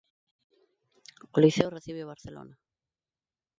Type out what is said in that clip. O Liceo recibe o Barcelona.